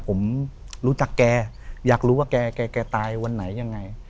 ผมรู้จักแกอยากรู้ว่าแกตายวันไหนยังไง